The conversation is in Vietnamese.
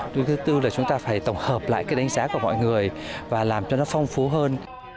thứ tư là chúng ta phải tổng hợp lại cái đánh giá của mọi người và làm cho nó phong phú hơn